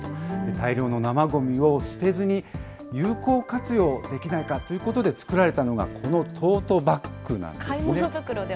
大量の生ごみを捨てずに有効活用できないかということで作られたのが、このトートバッグなんですね。